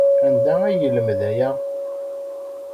Anda ay yelmed aya?